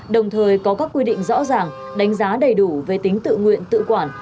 đồng thời có các quy định rõ ràng đánh giá đầy đủ về tính tự nguyện tự quản